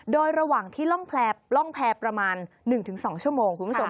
โดยระหว่างที่ร่องแพร่ประมาณ๑๒ชั่วโมงคุณผู้ชม